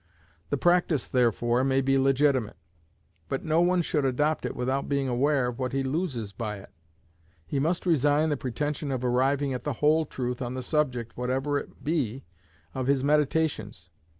The practice, therefore, may be legitimate; but no one should adopt it without being aware of what he loses by it. He must resign the pretension of arriving at the whole truth on the subject, whatever it be, of his meditations.